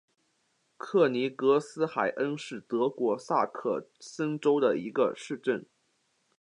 克尼格斯海恩是德国萨克森州的一个市镇。